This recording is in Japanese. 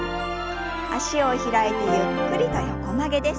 脚を開いてゆっくりと横曲げです。